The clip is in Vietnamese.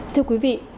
thưa quý vị